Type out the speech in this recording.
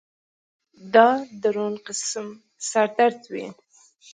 دا درون قسم سر درد وي